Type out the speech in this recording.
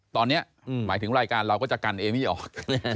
ตอนนี้หมายถึงรายการเราก็จะกันเอมี่ออก